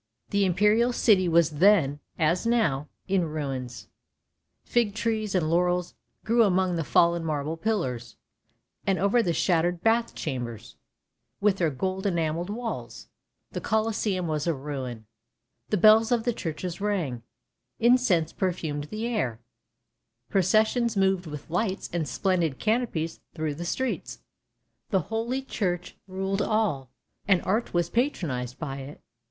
The imperial city was then, as now, in ruins; fig trees and laurels grew among the fallen marble pillars, and over the shattered bath chambers, with their gold enamelled walls; the Colosseum was a ruin; the bells of the churches rang, incense perfumed the air, processions moved with lights and splendid canopies through the streets. The Holy Church ruled all, and art was patronised by it.